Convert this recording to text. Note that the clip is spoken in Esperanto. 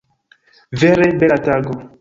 Vere bela tago!